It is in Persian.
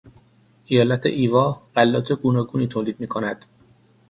ایالت ایوا غلات گوناگونی تولید میکند.